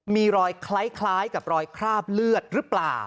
มีรอยคล้ายกับรอยคราบเลือดหรือเปล่า